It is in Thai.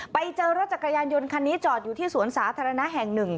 ไปเจอรถจักรยานยนต์คันนี้จอดอยู่ที่สวนสาธารณะแห่งหนึ่ง